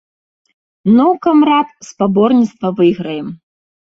Ну, камрад, спаборніцтва выйграем.